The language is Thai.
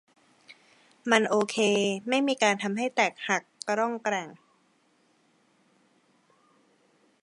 มันโอเค ไม่มีการทำให้แตกหักกะร่องกะแร่ง